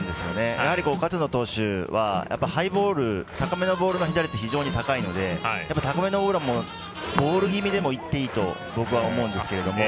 やはり勝野投手は高めのボールの被打率が非常に高いので高めのボールはボール気味でもいっていいと僕は思うんですけど。